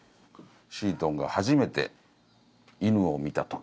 シートンが初めて犬を見た時。